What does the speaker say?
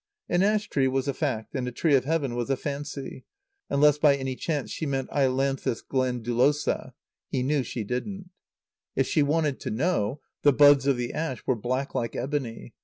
An ash tree was a fact and a tree of Heaven was a fancy; unless by any chance she meant ailanthus glandulosa. (He knew she didn't.) If she wanted to know, the buds of the ash were black like ebony.